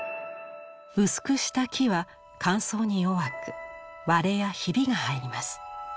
薄くした木は乾燥に弱く割れやひびが入ります。